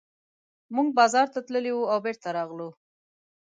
موږ بازار ته تللي وو او بېرته راغلو.